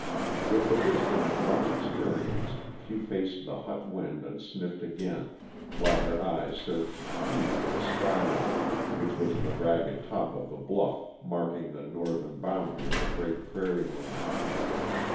With the wisdom of much experience she faced the hot wind and sniffed again, while her eyes searched keenly the sky line, which was the ragged top of the bluff marking the northern boundary of the great prairie land.